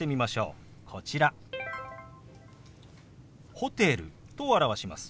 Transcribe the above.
「ホテル」と表します。